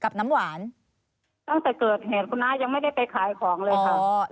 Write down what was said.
น้ำหวานตั้งแต่เกิดเหตุคุณน้ายังไม่ได้ไปขายของเลยค่ะ